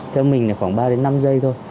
theo mình khoảng ba đến năm giây thôi